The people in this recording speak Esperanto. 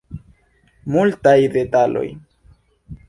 Multaj detaloj.